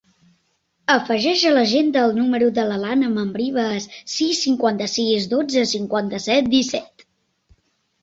Afegeix a l'agenda el número de l'Alana Membrives: sis, cinquanta-sis, dotze, cinquanta-set, disset.